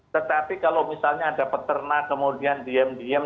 tetapi kalau misalnya ada peternak kemudian diem diem